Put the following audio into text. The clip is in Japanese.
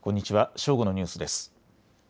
正午のニュースです。